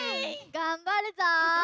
がんばるぞ！